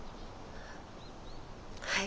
はい。